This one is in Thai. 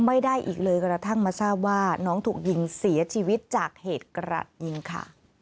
ไม่ได้อีกเลยกระทั่งมาทราบว่าน้องถูกยิงเสียชีวิตจากเหตุกระดยิงค่ะ